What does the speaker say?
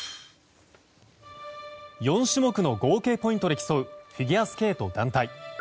４種目の合計ポイントで競うフィギュアスケート団体。